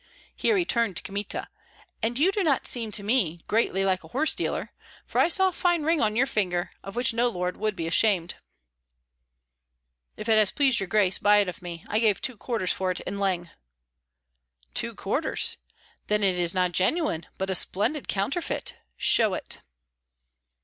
Here he turned to Kmita: "And you do not seem to me greatly like a horse dealer, for I saw a fine ring on your finger, of which no lord would be ashamed." "If it has pleased your grace, buy it of me; I gave two quarters for it in Leng." "Two quarters? Then it is not genuine, but a splendid counterfeit. Show it."